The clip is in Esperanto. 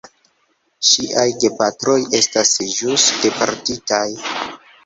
Ŝiaj gepatroj estas ĵus deportitaj.